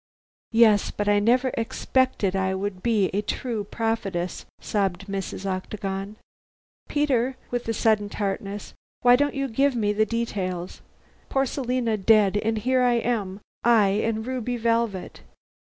"Yes but I never expected I would be a true prophetess," sobbed Mrs. Octagon. "Peter," with sudden tartness, "why don't you give me the details. Poor Selina dead, and here am I in ruby velvet!"